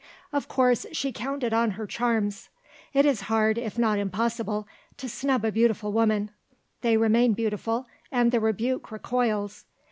Of course she counted on her charms. It is hard, if not impossible, to snub a beautiful woman; they remain beautiful and the rebuke recoils.